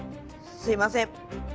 すいません。